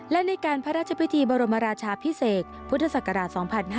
และในการพระราชพิธีบรมราชาพิเศษพุทธศักราช๒๕๕๙